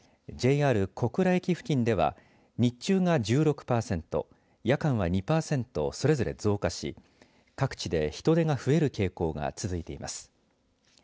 ＪＲ小倉駅付近では日中が１６％、夜間は２％それぞれ増加し各地で人出が増える傾向が続いています。